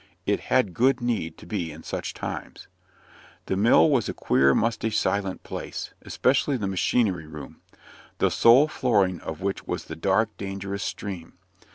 It had good need to be in such times. The mill was a queer, musty, silent place, especially the machinery room, the sole flooring of which was the dark, dangerous stream.